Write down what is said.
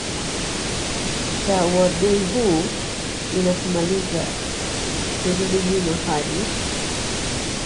cha uadui huu inatulazimu turudi nyuma hadi